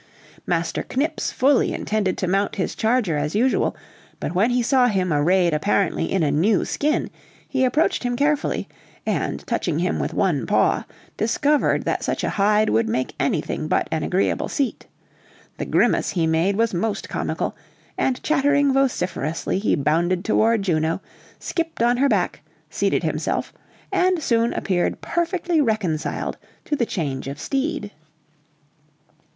Master Knips fully intended to mount his charger as usual; but when he saw him arrayed apparently in a new skin, he approached him carefully, and touching him with one paw, discovered that such a hide would make anything but an agreeable seat; the grimace he made was most comical, and chattering vociferously he bounded toward Juno, skipped on her back, seated himself, and soon appeared perfectly reconciled to the change of steed.